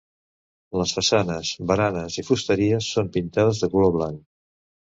Les façanes, baranes i fusteries són pintades de color blanc.